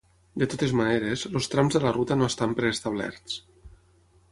De totes maneres, els trams de la ruta no estan preestablerts.